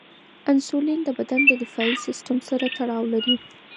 انسولین د بدن دفاعي سیستم سره تړاو لري.